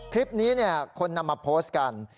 คลิปนี้คนนำมาโพสต์กัน